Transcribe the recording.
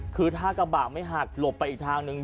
คือถ้ากระบะไม่หักหลบไปอีกทางนึง